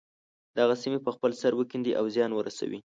دغه سیمې په خپل سر وکیندي او زیان ورسوي.